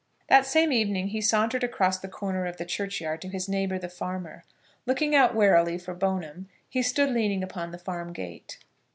That same evening he sauntered across the corner of the churchyard to his neighbour the farmer. Looking out warily for Bone'm, he stood leaning upon the farm gate.